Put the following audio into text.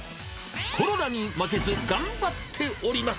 コロナに負けず頑張っております。